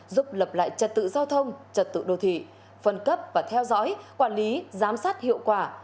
giúp lập lại trật tự giao thông trật tự đô thị phân cấp và theo dõi quản lý giám sát hiệu quả